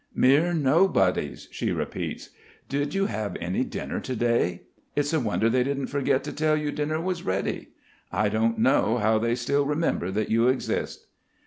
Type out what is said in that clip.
"Mere nobodies!" she repeats. "Did you have any dinner to day? It's a wonder they didn't forget to tell you dinner was ready. I don't know how they still remember that you exist."